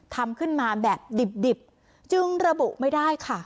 ทำขึ้นมาแบบดิบจึงระบุไม่ได้ค่ะ